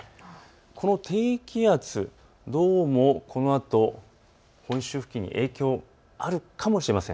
この低気圧、どうもこのあと本州付近に影響があるかもしれません。